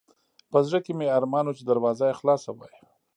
په زړه کې مې ارمان و چې دروازه یې خلاصه وای.